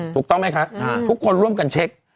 ถูกต้องไหมคะทุกคนร่วมกันเช็ค